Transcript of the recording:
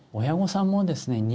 親御さんもですね